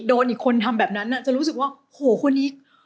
โดนอีกคนทำแบบนั้นจะรู้สึกว่าโหคนนี้